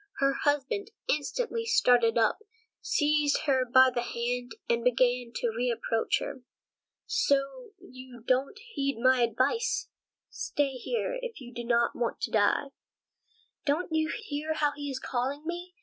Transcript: Her husband instantly started up, seized her by the hand, and began to reproach her. "So you don't heed my advice? Stay here, if you don't want to die." "Don't you hear how he is calling me?